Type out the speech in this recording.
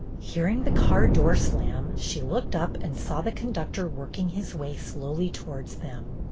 Hearing the car door slam, she looked up and saw the conductor working his way slowly towards them.